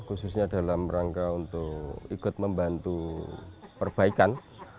khususnya dalam rangka untuk ikut membantu perbaikan